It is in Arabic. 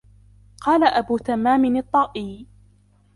قَالَ أَبُو تَمَّامٍ الطَّائِيُّ